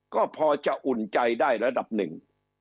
ก็พอจะอุ่นใจได้ระดับหนึ่ง